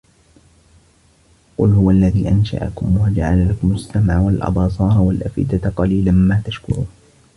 قُل هُوَ الَّذي أَنشَأَكُم وَجَعَلَ لَكُمُ السَّمعَ وَالأَبصارَ وَالأَفئِدَةَ قَليلًا ما تَشكُرونَ